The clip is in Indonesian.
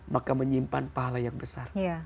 maka menyimpan pahala yang besar